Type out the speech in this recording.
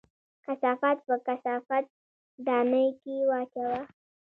کثافات په کثافت دانۍ کې واچوه